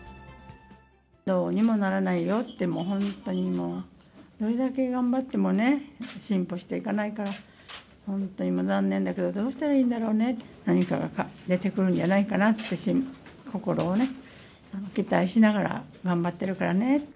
どうにもならないよって、本当にもう、これだけ頑張ってもね、進歩していかないから、本当にもう、残念だけどどうしたらいいんだろうね、何かが出てくるんじゃないかなって、心をね、期待しながら頑張ってるからね。